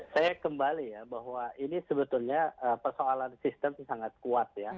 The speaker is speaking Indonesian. saya kembali ya bahwa ini sebetulnya persoalan sistem sangat kuat ya